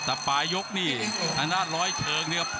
ตะปายกนี่ร้อยเคริงเนี่ยครับ